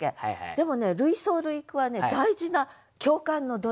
でもね類想類句はね大事な共感の土台。